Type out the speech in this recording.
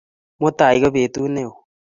Mutai ko petut ne o